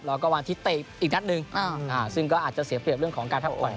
แล้วก็วันอาทิตย์เตะอีกนัดหนึ่งซึ่งก็อาจจะเสียเปรียบเรื่องของการพักผ่อน